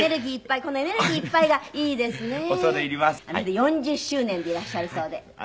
４０周年でいらっしゃるそうで。